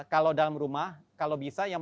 kalau dalam rumah kalau bisa yang